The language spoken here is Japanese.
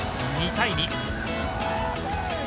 ２対２。